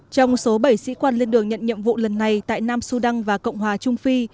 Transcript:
trong số bảy sĩ quan lên đường nhận nhiệm vụ lần này tại nam sudan và cộng hòa trung phi